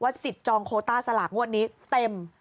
สิทธิ์จองโคต้าสลากงวดนี้เต็ม